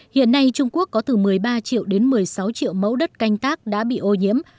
hiện nay trung quốc có từ một mươi ba triệu đến một mươi sáu triệu mẫu đất canh tác đã bị ô nhiễm